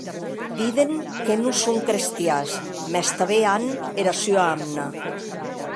Diden que non son crestians, mès que tanben an era sua amna.